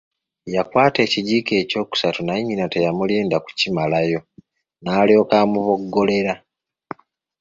Yakwata ekijiiko ekyokusatu naye nnyina teyamulinda kukimalayo n’alyoka amuboggolera.